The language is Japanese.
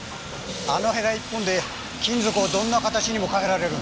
あのへら１本で金属をどんな形にも変えられる。